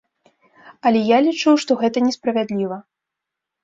Але я лічу, што гэта несправядліва.